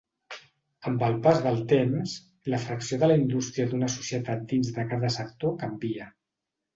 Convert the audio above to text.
Amb el pas del temps, la fracció de la indústria d'una societat dins de cada sector canvia.